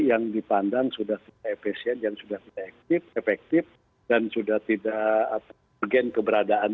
yang dipandang sudah efisien dan sudah efektif dan sudah tidak bergen keberadaan